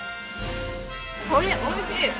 これおいしい！